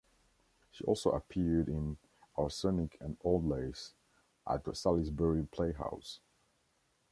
She also appeared in "Arsenic and Old Lace" at the Salisbury Playhouse.